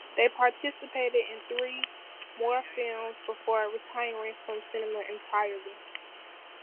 They participated in three more films before retiring from cinema entirely.